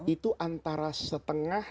itu antara setengah